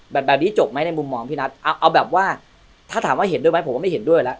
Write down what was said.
แบบนี้จบไหมในมุมมองพี่นัทเอาแบบว่าถ้าถามว่าเห็นด้วยไหมผมว่าไม่เห็นด้วยแล้ว